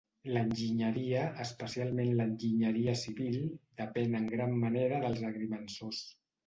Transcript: L'enginyeria, especialment l'enginyeria civil, depèn en gran manera dels agrimensors.